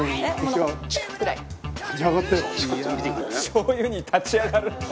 「しょう油に立ち上がるんだ」